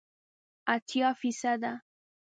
اتیا فیصده